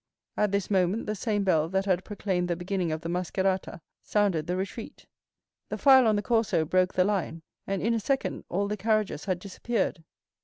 At this moment the same bell that had proclaimed the beginning of the mascherata sounded the retreat. The file on the Corso broke the line, and in a second all the carriages had disappeared.